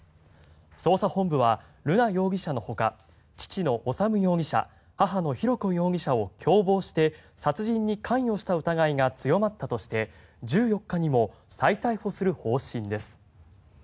捜査本部は瑠奈容疑者のほか父の修容疑者、母の浩子容疑者を共謀して殺人に関与した疑いが強まったとして１４日にも再逮捕する方針です。